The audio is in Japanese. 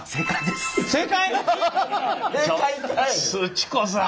すち子さん。